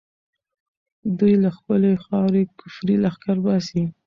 دوی له خپلې خاورې کفري لښکر باسي.